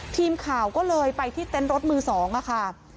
ทีมข่าวก็เลยไปที่เต็นต์รถมือ๒ค่ะ